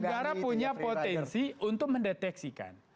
negara punya potensi untuk mendeteksikan